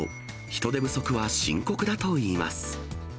人手不足は深刻だといいます。